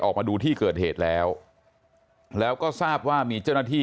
ออกมาดูที่เกิดเหตุแล้วแล้วก็ทราบว่ามีเจ้าหน้าที่